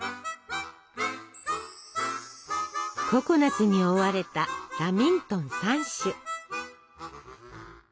ココナツに覆われたラミントン３種。